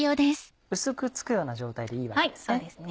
薄く付くような状態でいいわけですか？